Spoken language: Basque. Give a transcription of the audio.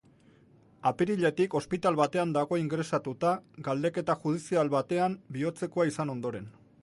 Apiriletik ospital batean dago ingresatuta galdeketa judizial batean bihotzekoa izan ondoren.